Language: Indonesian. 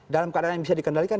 dalam keadaan yang bisa dikendalikan